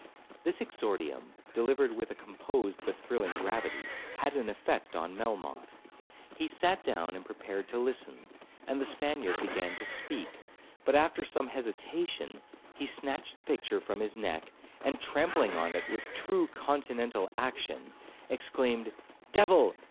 This exordium, delivered with a composed but thrilling gravity, had an effect on Melmoth. He sat down and prepared to listen, and the Spaniard began to speak; but after some hesitation, he snatched the picture from his neck, and trampling on it with true continental action, exclaimed, 'Devil!